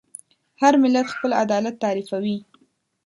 هر ملت خپل عدالت تعریفوي.